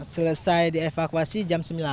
selesai dievakuasi jam sembilan